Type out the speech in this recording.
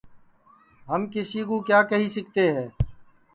ہم کسی کُو کیا کیہی سِکتے ہے